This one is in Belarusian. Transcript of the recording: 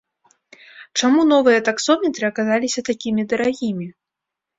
Чаму новыя таксометры аказаліся такімі дарагімі?